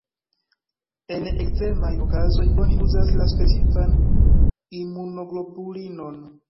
En ekstremaj okazoj oni uzas la specifan imunoglobulinon.